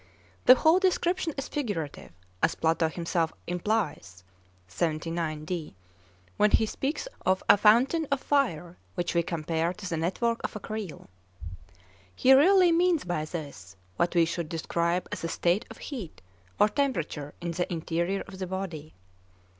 The whole description is figurative, as Plato himself implies when he speaks of a 'fountain of fire which we compare to the network of a creel.' He really means by this what we should describe as a state of heat or temperature in the interior of the body.